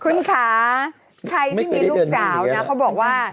คุณคะใครที่มีลูกสาวนะเขาบอกว่า